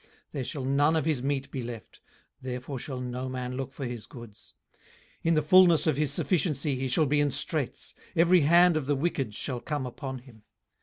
18:020:021 There shall none of his meat be left; therefore shall no man look for his goods. 18:020:022 In the fulness of his sufficiency he shall be in straits: every hand of the wicked shall come upon him.